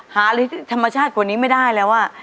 ธรรมชาติกว่านี้ไม่ได้แล้ว